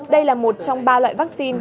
đây là một trong ba loại vaccine